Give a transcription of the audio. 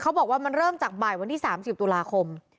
บอกว่ามันเริ่มจากบ่ายวันที่๓๐ตุลาคม